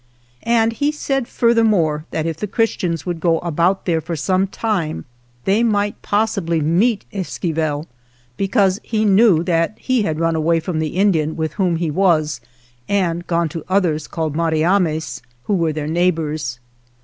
And he said fur thermore that if the Christians would go about there for some time they might possi bly meet Esquivel, because he knew that he had run away from the Indian with whom he was and gone to others called Mariames, who were their neighbors.